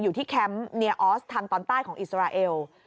แคมป์เนียออสทางตอนใต้ของอิสราเอล